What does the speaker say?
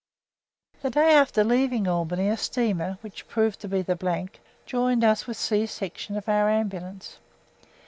The day after leaving Albany a steamer, which proved to be the , joined us with C Section of our Ambulance.